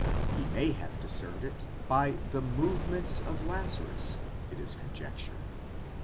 He may have discerned it by the movements of Lazarus, it is conjectured.